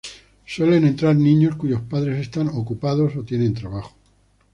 Suelen entrar niños cuyos padres están ocupados o tienen trabajo.